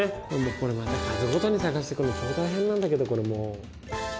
これまた数ごとに探してくの超大変なんだけどこれもう。